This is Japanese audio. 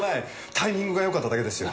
タイミングがよかっただけですよ。